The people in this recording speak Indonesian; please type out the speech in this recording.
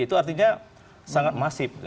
itu artinya sangat masif